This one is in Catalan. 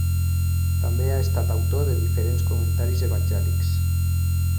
També ha estat autor de diferents comentaris evangèlics.